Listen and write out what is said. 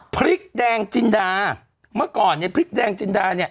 พริกแดงจินดาเมื่อก่อนเนี่ยพริกแดงจินดาเนี่ย